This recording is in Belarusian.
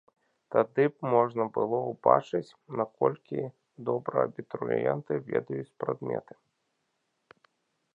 Тады б можна было убачыць, наколькі добра абітурыенты ведаюць прадметы.